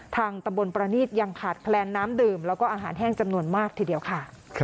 ตำบลประนีตยังขาดแคลนน้ำดื่มแล้วก็อาหารแห้งจำนวนมากทีเดียวค่ะ